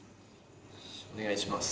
お願いします。